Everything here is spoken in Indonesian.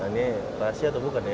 ini rahasia atau bukan ya